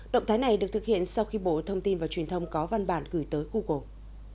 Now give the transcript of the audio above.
động thái này được thực hiện sau khi bộ thông tin và truyền thông có văn bản gửi tới google